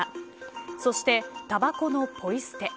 そして、たばこのぽい捨て。